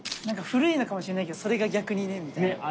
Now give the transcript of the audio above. なんか古いのかもしれないけどそれが逆にねみたいな。